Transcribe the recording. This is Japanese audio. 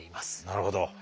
なるほど。